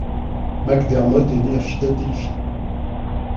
McDermott est né à Philadelphie.